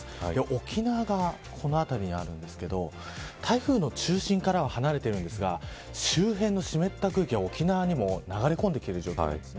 沖縄がこの辺りにありますが台風の中心から離れているんですが周辺の湿った空気が沖縄にも流れ込んでいる状況です。